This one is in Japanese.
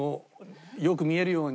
よく見えるように。